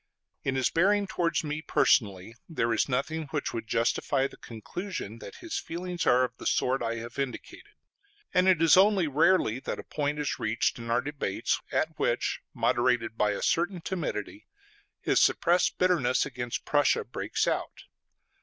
In his bearing towards me personally there is nothing which would justify the conclusion that his feelings are of the sort I have indicated; and it is only rarely that a point is reached in our debates at which, moderated by a certain timidity, his suppressed bitterness against Prussia breaks out.